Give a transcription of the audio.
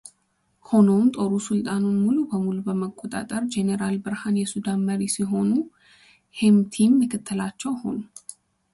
ሆኖም ጦሩ ስልጣኑን ሙሉ በሙሉ በመቆጣጠር ጄነራል ቡርሃን የሱዳን መሪ ሲሆኑ ሄምቲም ምክትላቸው ሆኑ።